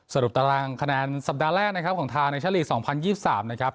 สรุปตารางคะแนนสัปดาห์แรกนะครับของทานะเชอรีสสองพันยิบสามนะครับ